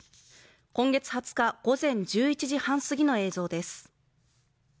今月２０日午前１１時半過ぎの映像です。